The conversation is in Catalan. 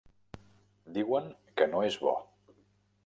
Diuen que no és bo.